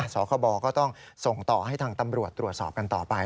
สคบก็ต้องส่งต่อให้ทางตำรวจตรวจสอบกันต่อไป